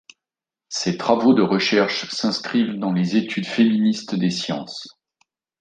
Ses travaux de recherches s'inscrivent dans les études féministes des sciences.